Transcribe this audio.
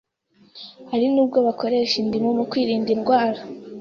Hari n’ubwo bakoresha indimu mu kwirinda indwara